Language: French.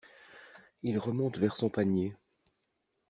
Il remonte vers son panier.